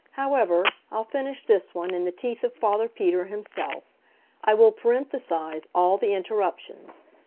However, I'll finish this one in the teeth of Father Peter himself. I will parenthesize all the interruptions.